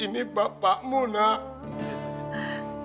ini bapak mu nak